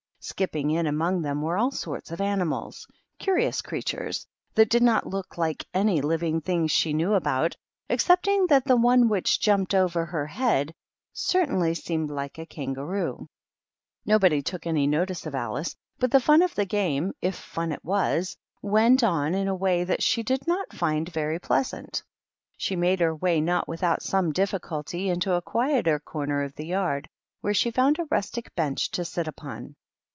Skipping in among them were all sorts of animals, — curious creatures, — ^that did not look like any living things she knew about, excepting that the one which jumped over her head certainly seemed like a kangaroo. Nobody took any notice of Alice, but the fun of the game, if fun it was, went on in a way that • she did not find very pleasant. She made her way, not without some diflBculty, into a quieter corner of the yard, where she found a rustic bench to sit upon.